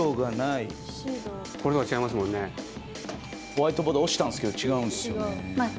ホワイトボード押したんすけど違うんすよね。